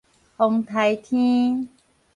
風颱天